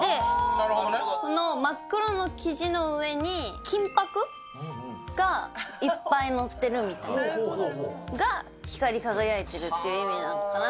この真っ黒の生地の上に金ぱくがいっぱい載ってるみたいな、が光り輝いてるっていう意味なのかな。